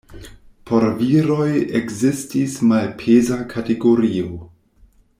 Por viroj ekzistis malpeza kategorio.